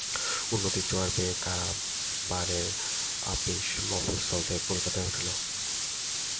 উন্নতির জোয়ার বেয়ে কারবারের আপিস মফস্বল থেকে কলকাতায় উঠল।